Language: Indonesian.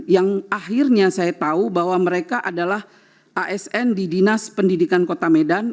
yang akhirnya saya tahu bahwa mereka adalah asn di dinas pendidikan kota medan